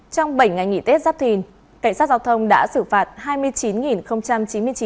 trong bảy ngày nghỉ tết giáp thìn cảnh sát giao thông đã xử phạt